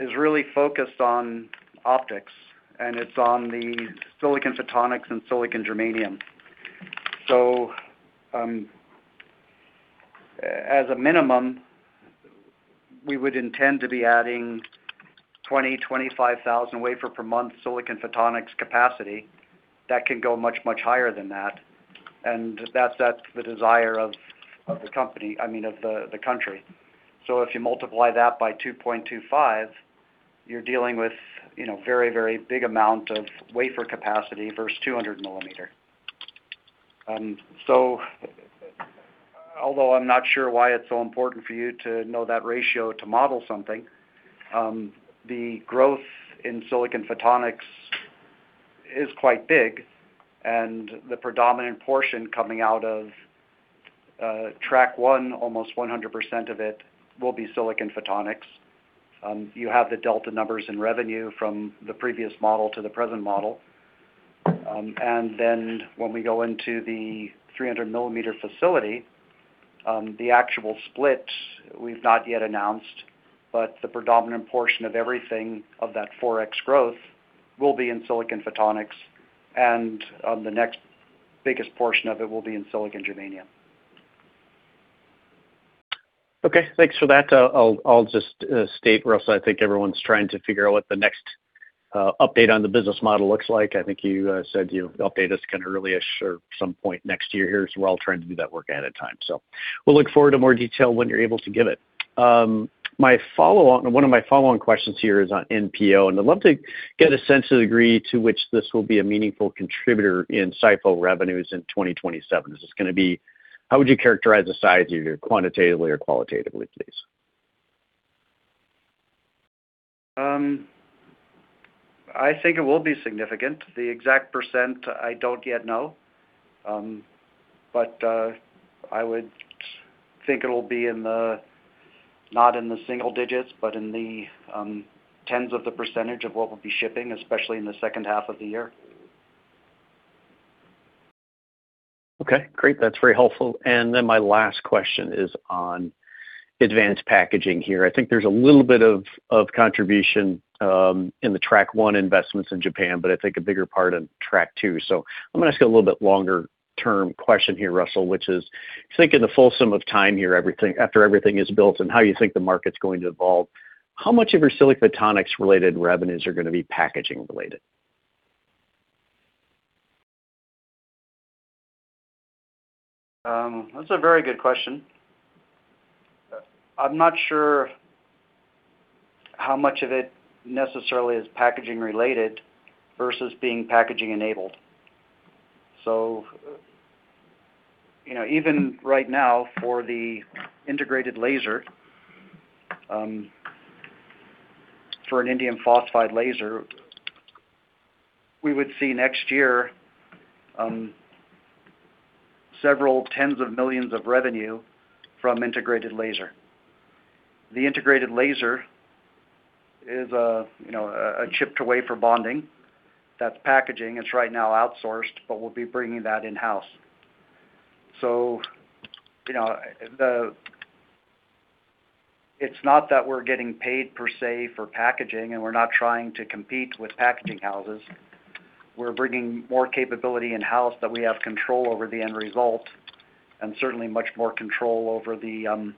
is really focused on optics, and it's on the silicon photonics and silicon germanium. As a minimum, we would intend to be adding 20,000, 25,000 wafer per month silicon photonics capacity. That can go much, much higher than that. That's the desire of the country. If you multiply that by 2.25, you're dealing with very big amount of wafer capacity versus 200 millimeter. Although I'm not sure why it's so important for you to know that ratio to model something, the growth in silicon photonics is quite big, and the predominant portion coming out of Track 1, almost 100% of it will be silicon photonics. You have the delta numbers in revenue from the previous model to the present model. When we go into the 300-millimeter facility, the actual split we've not yet announced, but the predominant portion of everything of that 4x growth will be in silicon photonics, and the next biggest portion of it will be in silicon germanium. Okay. Thanks for that. I'll just state, Russell, I think everyone's trying to figure out what the next update on the business model looks like. I think you said you'd update us kind of early-ish or some point next year here as we're all trying to do that work ahead of time. We'll look forward to more detail when you're able to give it. One of my follow-on questions here is on NPO, and I'd love to get a sense of the degree to which this will be a meaningful contributor in SiPho revenues in 2027. How would you characterize the size either quantitatively or qualitatively, please? I think it will be significant. The exact %, I don't yet know. I think it'll be not in the single digits, but in the tens of the percentage of what we'll be shipping, especially in the second half of the year. Okay, great. That's very helpful. My last question is on advanced packaging here. I think there's a little bit of contribution in the Track 1 investments in Japan, but I think a bigger part in Track 2. I'm going to ask you a little bit longer term question here, Russell, which is, think in the fullness of time here, after everything is built and how you think the market's going to evolve, how much of your silicon photonics related revenues are going to be packaging related? That's a very good question. I'm not sure how much of it necessarily is packaging related versus being packaging enabled. Even right now for the integrated laser, for an indium phosphide laser, we would see next year several tens of millions of revenue from integrated laser. The integrated laser is a chipped wafer bonding that's packaging. It's right now outsourced, but we'll be bringing that in-house. It's not that we're getting paid per se for packaging and we're not trying to compete with packaging houses. We're bringing more capability in-house that we have control over the end result, and certainly much more control over the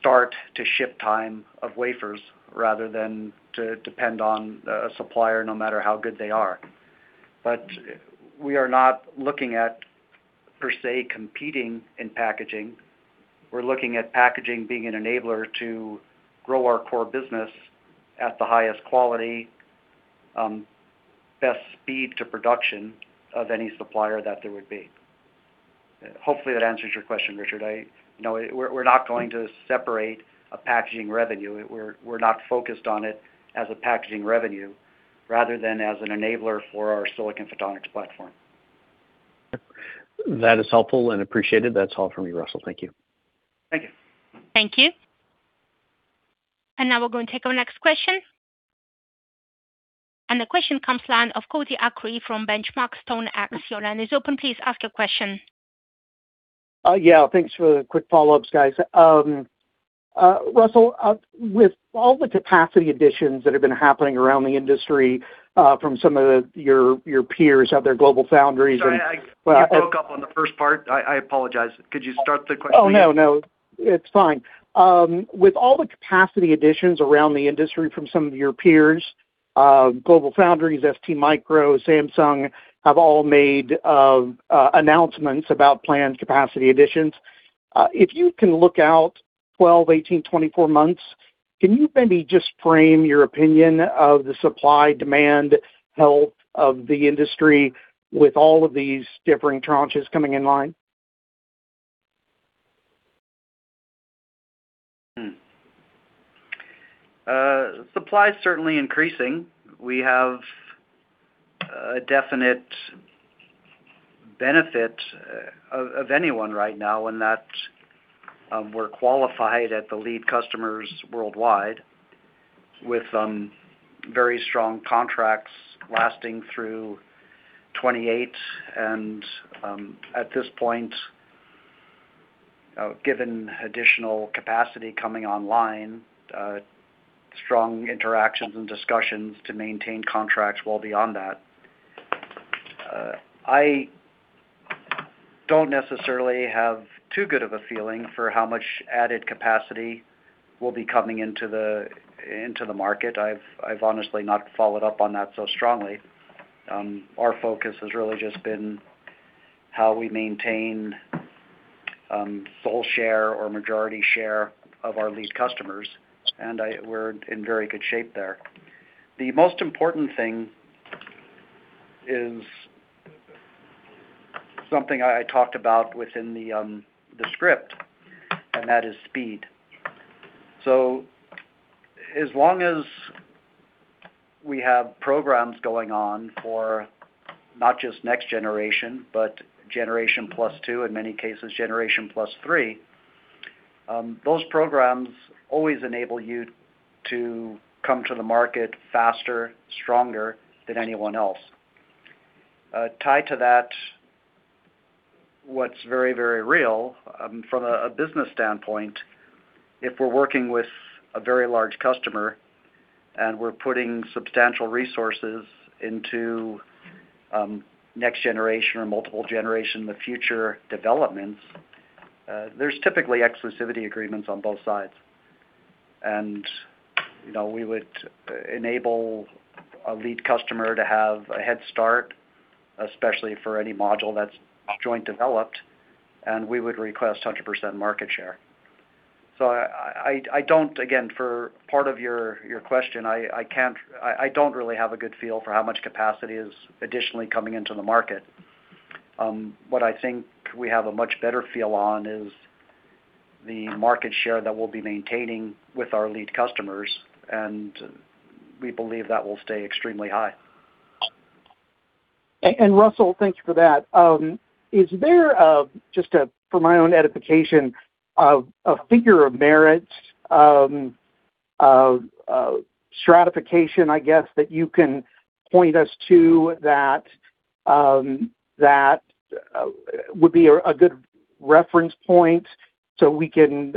start to ship time of wafers rather than to depend on a supplier no matter how good they are. We are not looking at per se competing in packaging. We're looking at packaging being an enabler to grow our core business at the highest quality, best speed to production of any supplier that there would be. Hopefully that answers your question, Richard. We're not going to separate a packaging revenue. We're not focused on it as a packaging revenue rather than as an enabler for our silicon photonics platform. That is helpful and appreciated. That is all for me, Russell. Thank you. Thank you. Thank you. Now we are going to take our next question. The question comes line of Cody Acree from Benchmark StoneX. Is open, please ask your question. Yeah. Thanks for the quick follow-ups, guys. Russell, with all the capacity additions that have been happening around the industry, from some of your peers at their GlobalFoundries and Sorry, you broke up on the first part. I apologize. Could you start the question please? Oh, no. It's fine. With all the capacity additions around the industry from some of your peers, GlobalFoundries, STMicro, Samsung, have all made announcements about planned capacity additions. If you can look out 12, 18, 24 months, can you maybe just frame your opinion of the supply-demand health of the industry with all of these differing tranches coming in line? Supply's certainly increasing. We have a definite benefit of anyone right now in that we're qualified at the lead customers worldwide with very strong contracts lasting through 2028. At this point, given additional capacity coming online, strong interactions and discussions to maintain contracts well beyond that. I don't necessarily have too good of a feeling for how much added capacity will be coming into the market. I've honestly not followed up on that so strongly. Our focus has really just been how we maintain sole share or majority share of our lead customers, and we're in very good shape there. The most important thing is something I talked about within the script, and that is speed. As long as we have programs going on for not just next generation, but generation plus two, in many cases, generation plus three, those programs always enable you to come to the market faster, stronger than anyone else. Tied to that, what's very real from a business standpoint, if we're working with a very large customer and we're putting substantial resources into next generation or multiple generation in the future developments, there's typically exclusivity agreements on both sides. We would enable a lead customer to have a head start, especially for any module that's joint developed, and we would request 100% market share. I don't, again, for part of your question, I don't really have a good feel for how much capacity is additionally coming into the market. What I think we have a much better feel on is the market share that we'll be maintaining with our lead customers. We believe that will stay extremely high. Russell, thank you for that. Is there, just for my own edification, a figure of merit, a stratification, I guess, that you can point us to that would be a good reference point so we can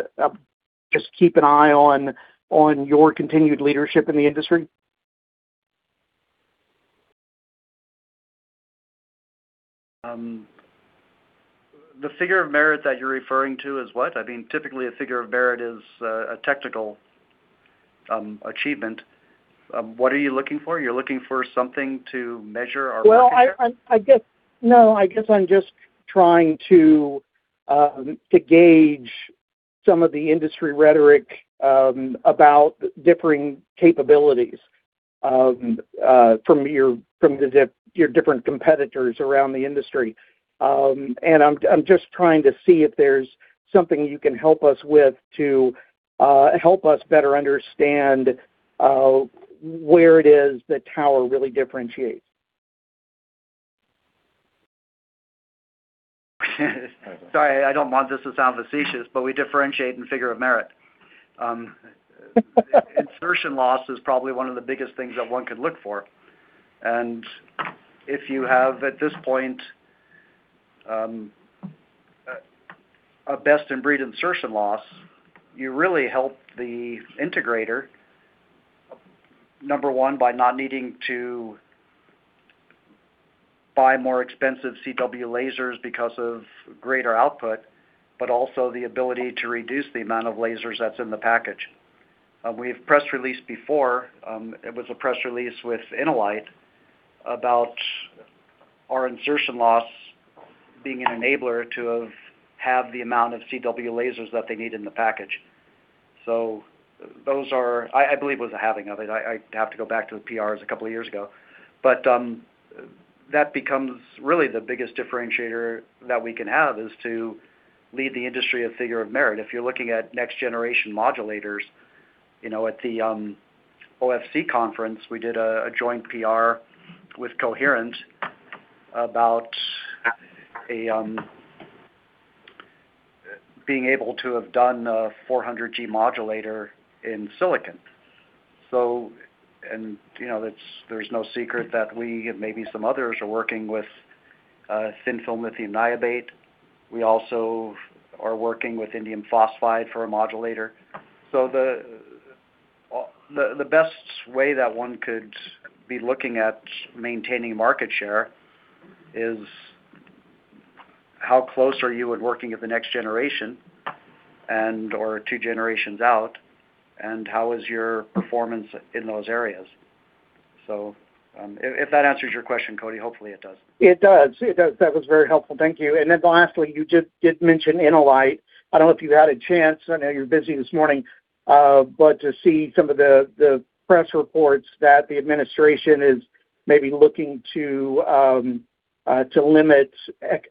just keep an eye on your continued leadership in the industry? The figure of merit that you're referring to is what? Typically, a figure of merit is a technical achievement. What are you looking for? You're looking for something to measure our market share? Well, no, I guess I'm just trying to gauge some of the industry rhetoric about differing capabilities from your different competitors around the industry. I'm just trying to see if there's something you can help us with to help us better understand where it is that Tower really differentiates. Sorry, I don't want this to sound facetious, we differentiate in figure of merit. Insertion loss is probably one of the biggest things that one could look for. If you have, at this point, a best-in-breed insertion loss, you really help the integrator, number one, by not needing to buy more expensive CW lasers because of greater output, but also the ability to reduce the amount of lasers that's in the package. We've press released before, it was a press release with InnoLight, about our insertion loss being an enabler to have the amount of CW lasers that they need in the package. I believe it was a halving of it. I'd have to go back to the PRs a couple of years ago. That becomes really the biggest differentiator that we can have is to lead the industry of figure of merit. If you're looking at next-generation modulators, at the OFC conference, we did a joint PR with Coherent about being able to have done a 400G modulator in silicon. There's no secret that we, and maybe some others, are working with thin film lithium niobate. We also are working with indium phosphide for a modulator. The best way that one could be looking at maintaining market share is how close are you at working at the next generation and/or two generations out, and how is your performance in those areas? If that answers your question, Cody. Hopefully, it does. It does. That was very helpful. Thank you. Lastly, you just did mention InnoLight. I don't know if you've had a chance, I know you're busy this morning, but to see some of the press reports that the administration is maybe looking to limit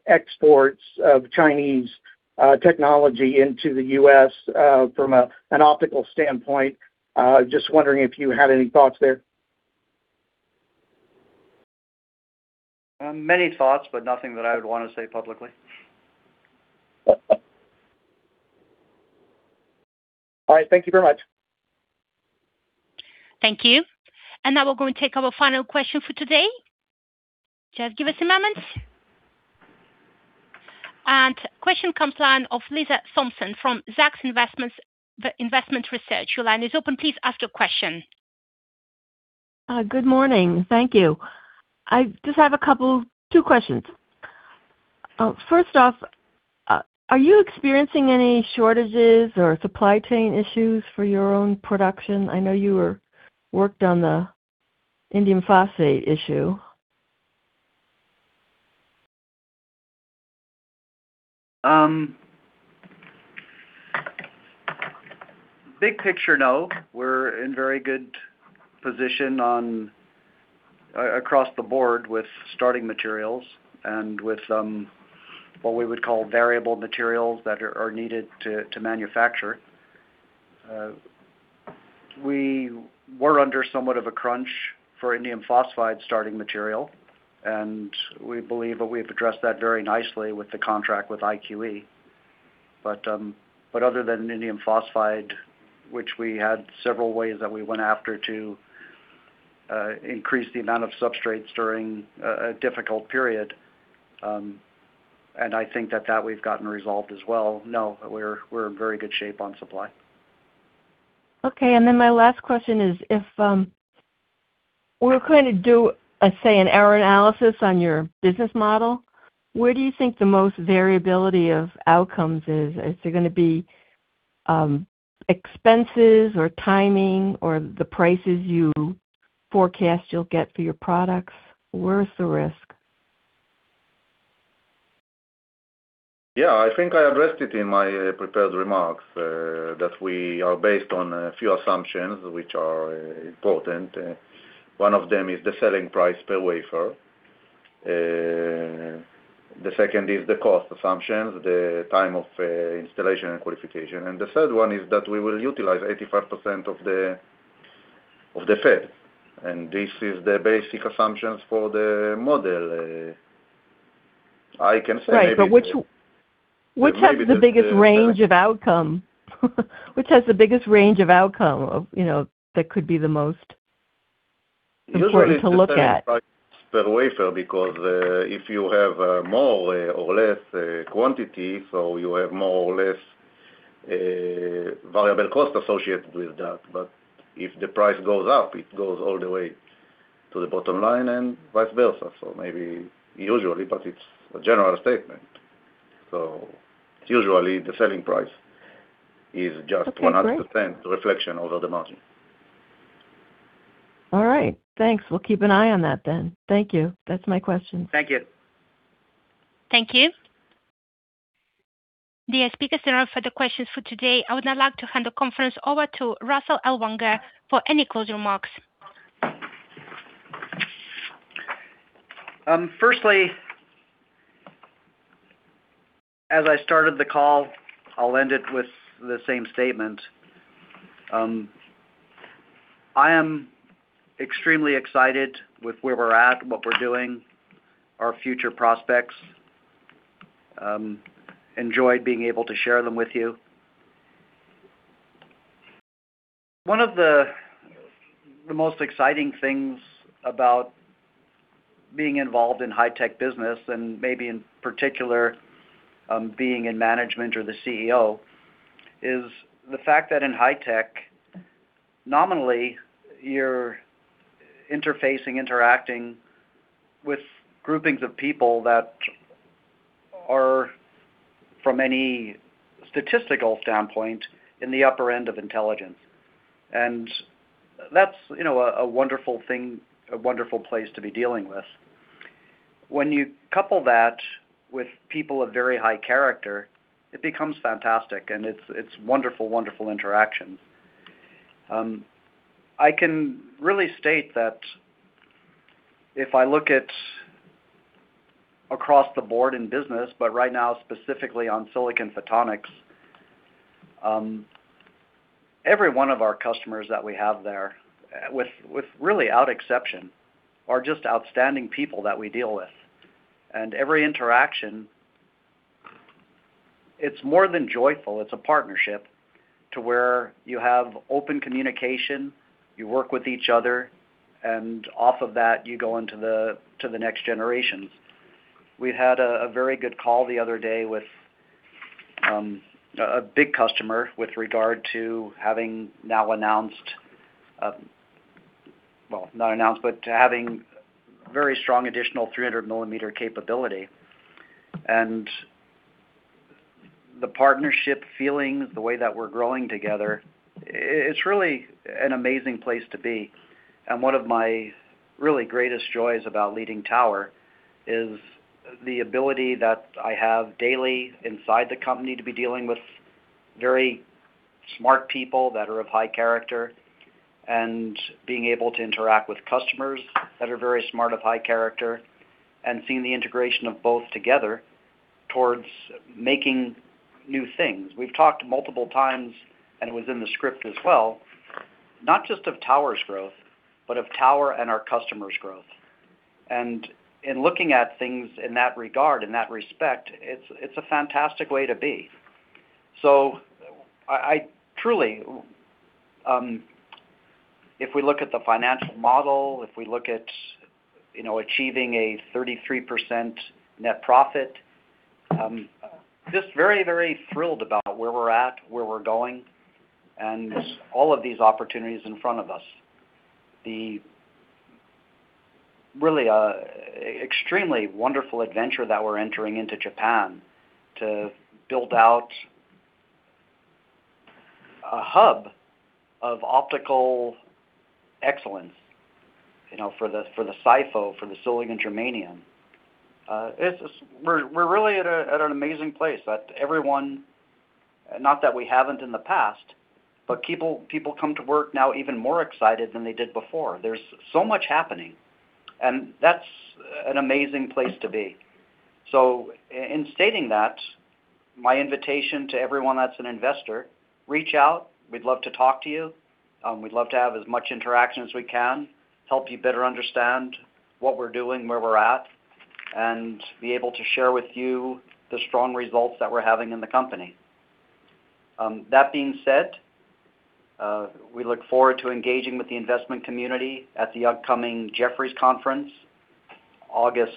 exports of Chinese technology into the U.S. from an optical standpoint. Just wondering if you had any thoughts there. Many thoughts, nothing that I would want to say publicly. All right. Thank you very much. Thank you. Now we're going to take our final question for today. Just give us a moment. Question comes line of Lisa Thompson from Zacks Investment Research. Your line is open. Please ask your question. Good morning. Thank you. I just have a couple, two questions. First off, are you experiencing any shortages or supply chain issues for your own production? I know you worked on the indium phosphide issue. Big picture, no. We're in very good position across the board with starting materials and with what we would call variable materials that are needed to manufacture. We were under somewhat of a crunch for indium phosphide starting material, we believe that we've addressed that very nicely with the contract with IQE. Other than indium phosphide, which we had several ways that we went after to increase the amount of substrates during a difficult period, I think that we've gotten resolved as well. No, we're in very good shape on supply. Okay. My last question is, if we were going to do, let's say, an error analysis on your business model, where do you think the most variability of outcomes is? Is it going to be expenses or timing or the prices you forecast you'll get for your products? Where is the risk? Yeah, I think I addressed it in my prepared remarks, that we are based on a few assumptions which are important. One of them is the selling price per wafer. The second is the cost assumptions, the time of installation and qualification. The third one is that we will utilize 85% of the Fab, and this is the basic assumptions for the model. Right. Which has the biggest range of outcome, that could be the most important to look at? Usually it's the selling price per wafer, because if you have more or less quantity, so you have more or less variable cost associated with that. If the price goes up, it goes all the way to the bottom line and vice versa. Maybe usually, but it's a general statement. Usually the selling price is just 100% reflection over the margin. All right, thanks. We'll keep an eye on that then. Thank you. That's my question. Thank you. Thank you. The speakers, there are no further questions for today. I would now like to hand the conference over to Russell Ellwanger for any closing remarks. Firstly, as I started the call, I'll end it with the same statement. I am extremely excited with where we're at and what we're doing, our future prospects. Enjoyed being able to share them with you. One of the most exciting things about being involved in high-tech business, and maybe in particular being in management or the CEO, is the fact that in high-tech, nominally, you're interfacing, interacting with groupings of people that are, from any statistical standpoint, in the upper end of intelligence. That's a wonderful thing, a wonderful place to be dealing with. When you couple that with people of very high character, it becomes fantastic and it's wonderful interaction. I can really state that if I look at across the board in business, but right now specifically on silicon photonics, every one of our customers that we have there with really out exception are just outstanding people that we deal with. Every interaction, it's more than joyful. It's a partnership to where you have open communication, you work with each other, and off of that you go into the next generations. We had a very good call the other day with a big customer with regard to having now announced Well, not announced, but to having very strong additional 300-millimeter capability and the partnership feeling, the way that we're growing together, it's really an amazing place to be. One of my really greatest joys about leading Tower is the ability that I have daily inside the company to be dealing with very smart people that are of high character, and being able to interact with customers that are very smart, of high character, and seeing the integration of both together towards making new things. We've talked multiple times, and it was in the script as well, not just of Tower's growth, but of Tower and our customers' growth. In looking at things in that regard, in that respect, it's a fantastic way to be. Truly, if we look at the financial model, if we look at achieving a 33% net profit, just very thrilled about where we're at, where we're going, and all of these opportunities in front of us. The really extremely wonderful adventure that we're entering into Japan to build out a hub of optical excellence for the SiPho, for the silicon germanium. We're really at an amazing place that everyone, not that we haven't in the past, but people come to work now even more excited than they did before. There's so much happening, and that's an amazing place to be. In stating that, my invitation to everyone that's an investor, reach out. We'd love to talk to you. We'd love to have as much interaction as we can, help you better understand what we're doing, where we're at, and be able to share with you the strong results that we're having in the company. That being said, we look forward to engaging with the investment community at the upcoming Jefferies conference, August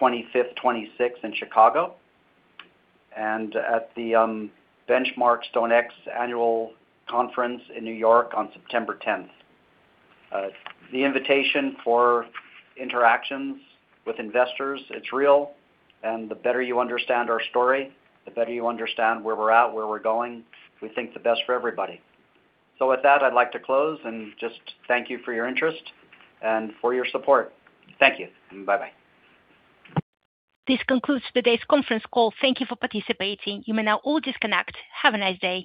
25th, 26th in Chicago, and at the Benchmark StoneX Annual Conference in New York on September 10th. The invitation for interactions with investors, it's real, and the better you understand our story, the better you understand where we're at, where we're going, we think the best for everybody. With that, I'd like to close and just thank you for your interest and for your support. Thank you. Bye bye. This concludes today's conference call. Thank you for participating. You may now all disconnect. Have a nice day.